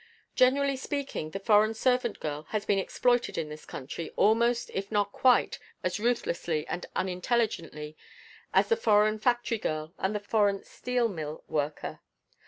Generally speaking, the foreign servant girl has been exploited in this country almost if not quite as ruthlessly and unintelligently as the foreign factory girl and the foreign steel mill worker.